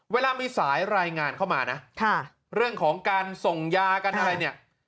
เวลามีสายรายงานเข้ามานะเรื่องของการส่งยากันอะไรเนี่ย